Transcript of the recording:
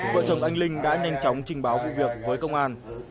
vợ chồng anh linh đã nhanh chóng trình báo vụ việc với công an